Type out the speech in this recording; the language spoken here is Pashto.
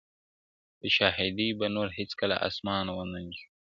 په شاهدۍ به نور هیڅکله آسمان و نه نیسم~